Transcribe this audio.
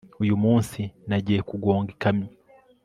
uyu munsi, nagiye kugonga ikamyo